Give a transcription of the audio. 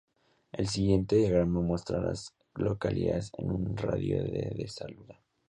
El siguiente diagrama muestra a las localidades en un radio de de Saluda.